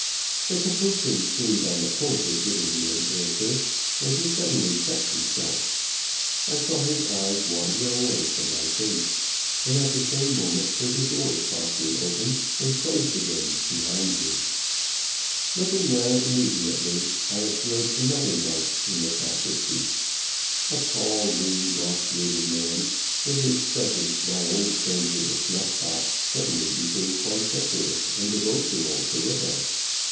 The Capuchin seemed on the point of giving me an answer, when he suddenly checked himself. I saw his eyes wander away from my face, and at the same moment heard a door softly opened and closed again behind me. Looking round immediately, I observed another monk in the sacristy a tall, lean, black bearded man, in whose presence my old friend with the snuff box suddenly became quite decorous and devotional to look at.